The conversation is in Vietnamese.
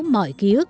mọi ký ức